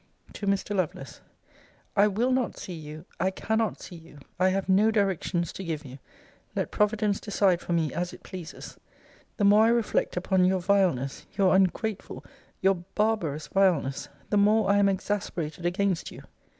TO MR. LOVELACE I will not see you. I cannot see you. I have no directions to give you. Let Providence decide for me as it pleases. The more I reflect upon your vileness, your ungrateful, your barbarous vileness, the more I am exasperated against you.